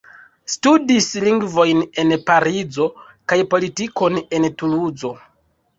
Studis lingvojn en Parizo kaj politikon en Tuluzo.